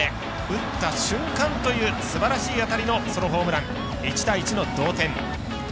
打った瞬間というすばらしい当たりのソロホームランで１対１の同点。